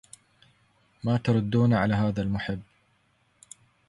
ما تردون على هذا المحب